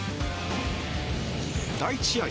第１試合